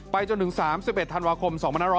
ไปจนถึง๓๑ธันวาคม๒๖๗